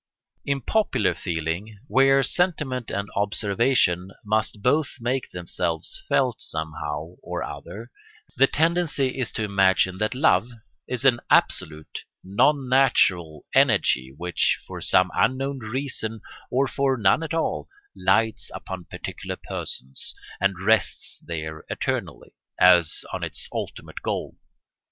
In popular feeling, where sentiment and observation must both make themselves felt somehow or other, the tendency is to imagine that love is an absolute, non natural energy which, for some unknown reason, or for none at all, lights upon particular persons, and rests there eternally, as on its ultimate goal.